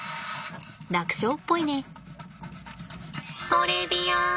楽勝っぽいね。